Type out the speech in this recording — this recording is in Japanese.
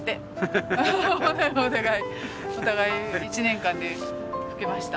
お互い１年間で老けました。